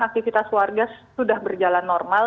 aktivitas warga sudah berjalan normal